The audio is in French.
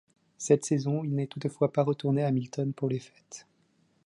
Cette saison, il n'est toutefois pas retourné à Hamilton pour les fêtes.